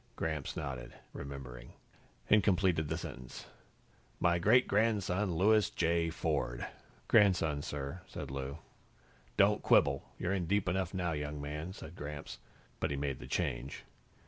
Gramps nodded, remembering, and completed the sentence "my great grandson, Louis J. Ford." "Grandson, sir," said Lou. "Don't quibble. You're in deep enough now, young man," said Gramps, but he made the change.